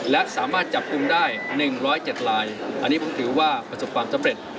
และสามารถจับกุ้งได้หนึ่งร้อยเจ็ดลายอันนี้ผมถือว่าประสบความสำเร็จ